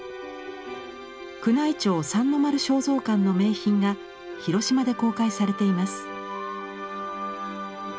宮内庁三の丸尚蔵館の名品が広島で公開されています。